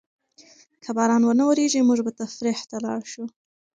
که باران ونه وریږي، موږ به تفریح ته لاړ شو.